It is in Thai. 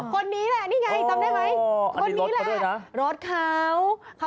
คนนี้เหรอ